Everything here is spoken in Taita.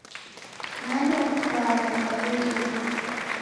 Nani w'akuw'anga kwawedika?